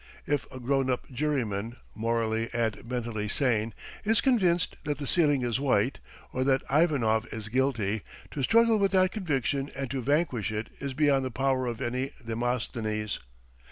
If a grown up juryman, morally and mentally sane, is convinced that the ceiling is white, or that Ivanov is guilty, to struggle with that conviction and to vanquish it is beyond the power of any Demosthenes.